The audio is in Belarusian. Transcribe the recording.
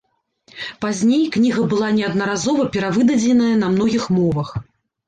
Пазней кніга была неаднаразова перавыдадзеная на многіх мовах.